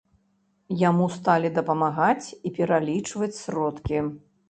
Яму сталі дапамагаць і пералічваць сродкі.